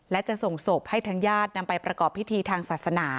และจะส่งศพให้ทางญาตินำไปประกอบพิธีทางศาสนา